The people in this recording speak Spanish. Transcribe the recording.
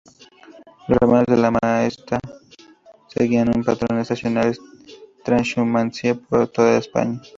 Los rebaños de la Mesta seguían un patrón estacional de trashumancia por toda España.